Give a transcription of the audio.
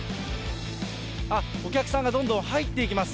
あっ、お客さんがどんどん入っていきます。